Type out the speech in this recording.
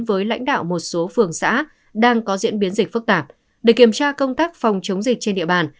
với lãnh đạo một số phường xã đang có diễn biến dịch phức tạp để kiểm tra công tác phòng chống dịch trên địa bàn